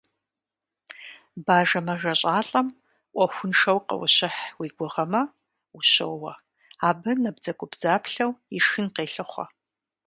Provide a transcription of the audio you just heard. Бажэ мэжэщӏалӏэм ӏуэхуншэу къыущыхь уи гугъэмэ, ущоуэ, абы набдзэгубдзаплъэу ишхын къелъыхъуэ.